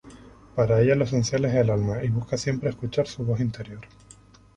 Para ella lo esencial es el alma y busca siempre escuchar su voz interior.